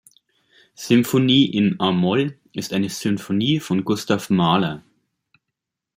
Sinfonie in a-Moll ist eine Sinfonie von Gustav Mahler.